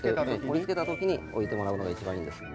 盛りつけた時に置いてもらうのが一番いいんです。